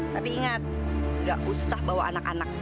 tapi ingat gak usah bawa anak anak